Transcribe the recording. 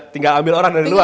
tinggal ambil orang dari luar